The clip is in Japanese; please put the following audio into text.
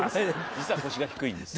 実は腰が低いんです。